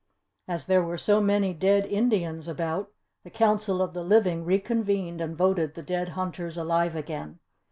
As there were so many dead Indians about, the Council of the living reconvened and voted the dead hunters alive again.